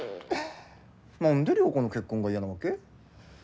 何で良子の結婚が嫌なわけ？